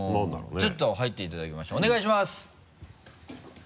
ちょっと入っていただきましょうお願いします。